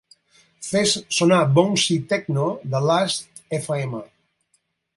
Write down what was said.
Fes sonar bouncy techno de Lastfm.